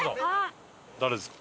誰ですか？